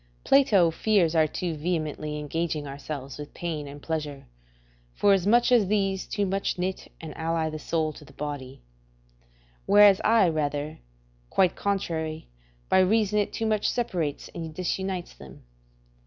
Plato fears our too vehemently engaging ourselves with pain and pleasure, forasmuch as these too much knit and ally the soul to the body; whereas I rather, quite contrary, by reason it too much separates and disunites them.